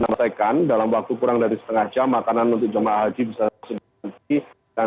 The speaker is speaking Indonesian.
dan mendapatkan kos longg longg sangat besar